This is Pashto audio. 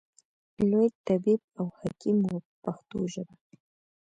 لوی طبیب او حکیم و په پښتو ژبه.